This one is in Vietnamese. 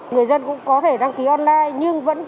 người dân cũng có thể đăng ký online nhưng vẫn